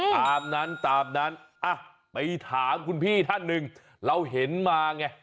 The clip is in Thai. ตามนั้นตามนั้นไปถามคุณพี่ท่านหนึ่งเราเห็นมาไง